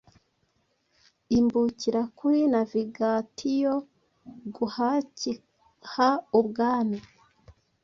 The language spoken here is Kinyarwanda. imbukira kuri navigatiyo guhakihaUbwami